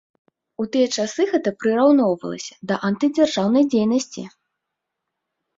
У тыя часы гэта прыраўноўвалася да антыдзяржаўнай дзейнасці.